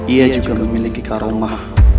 ia juga memiliki karamah